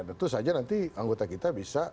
tentu saja nanti anggota kita bisa